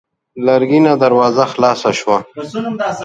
لرګينه دروازه خلاصه شوه.